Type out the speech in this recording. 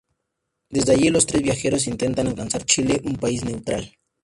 Desde allí, los tres viajeros intentan alcanzar Chile, un país neutral.